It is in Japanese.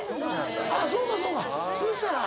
あっそうかそうかそしたら。